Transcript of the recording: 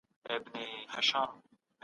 پوهان تل د نويو سياسي تيوريو په لټه کي دي.